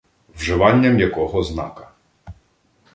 Вживання м'якого знака